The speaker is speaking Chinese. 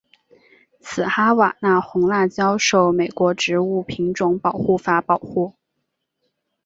此哈瓦那红辣椒受美国植物品种保护法保护。